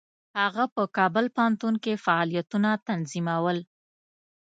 هغه په کابل پوهنتون کې فعالیتونه تنظیمول.